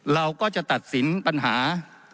เราก็จะตัดสินปัญหา